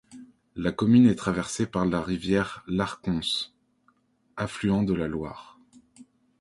La commune est traversée par la rivière l'Arconce, affluent de la Loire.